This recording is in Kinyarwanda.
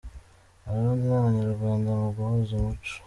Abarundi n’Abanyarwanda mu guhuza umuco